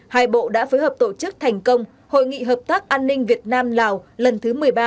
hai bộ đã phối hợp tổ chức thành công hội nghị hợp tác an ninh việt nam lào lần thứ một mươi ba